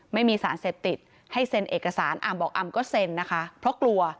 ไม่มีสารเสพติดให้เซ็นเอกสารอามบอกอำก็เซ็นนะคะเพราะกลัว